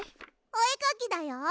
おえかきだよ。